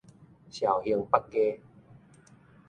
紹興北街